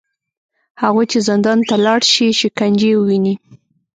هغوی چې زندان ته لاړ شي، شکنجې وویني